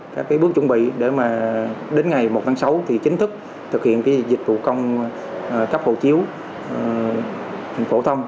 các bước chuẩn bị để đến ngày một tháng sáu chính thức thực hiện dịch vụ công trực tuyến độ bốn cấp hộ chiếu phổ thông